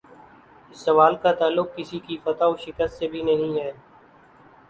اس سوال کا تعلق کسی کی فتح و شکست سے بھی نہیں ہے۔